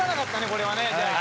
これはね。